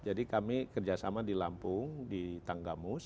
jadi kami kerjasama di lampung di tanggamus